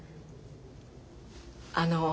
あの。